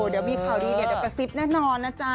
เดี๋ยวมีข่าวดีเดี๋ยวกระซิบแน่นอนนะจ๊ะ